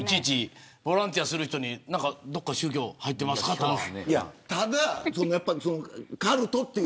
ボランティアする人にどっか宗教入ってますかって。